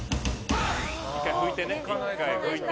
１回、拭いて。